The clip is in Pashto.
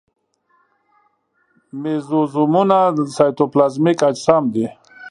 مېزوزومونه سایتوپلازمیک اجسام دي.